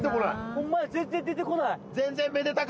ホンマや全然出てこない。